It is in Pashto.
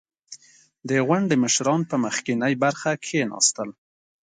• د غونډې مشران په مخکینۍ برخه کښېناستل.